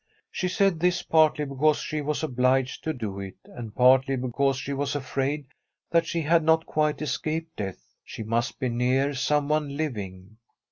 She said this, partly because she was obliged to do it, and partly because she was afraid that she had not quite escaped death. She must be near someone living.